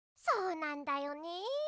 そうなんだよね。